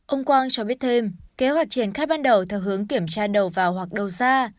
ông quang cho biết thêm kế hoạch triển khai ban đầu theo hướng kiểm tra đầu vào hoặc đầu ra